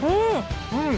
うん。